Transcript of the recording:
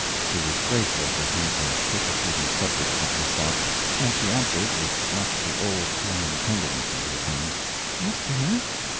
She was grateful to have that persecuting subject from her thoughts, and she answered, with much of the old time tenderness in her tone: "Yes, dear."